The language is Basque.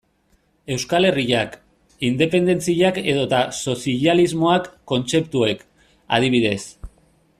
Euskal Herriak, independentziak edota sozialismoak kontzeptuek, adibidez.